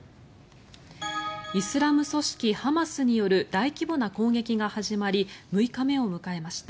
イスラム組織ハマスによる大規模な攻撃が始まり６日目を迎えました。